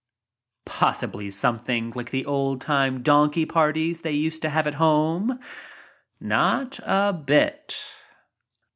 Possibly something like the old Jtime donkey parties they used to have at home? Not d bit!